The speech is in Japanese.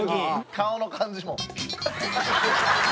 顔の感じも。